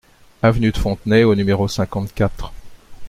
Avenue de Fontenay au numéro cinquante-quatre